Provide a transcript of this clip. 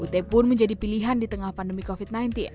ut pun menjadi pilihan di tengah pandemi covid sembilan belas